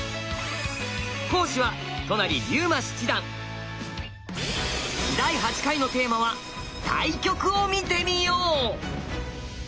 講師は第８回のテーマは「対局を見てみよう」。